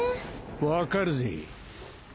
分かるぜ。